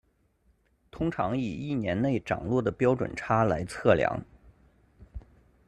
通常以一年内涨落的标准差来测量。